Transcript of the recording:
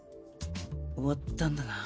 終わったんだな。